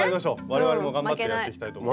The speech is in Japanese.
我々も頑張ってやっていきたいと。